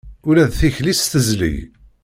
Ula d tikli-s tezleg.